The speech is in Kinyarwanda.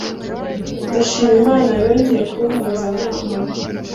Ndashima Imana yongeye kumpuza na mama